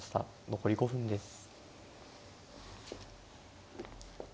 残り５分です。